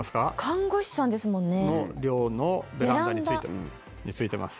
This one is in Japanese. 看護師さんですもんね。の寮のベランダに付いてます。